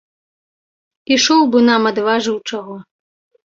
Ішоў бы нам адважыў чаго.